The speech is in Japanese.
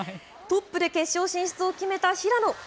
トップで決勝進出を決めた平野。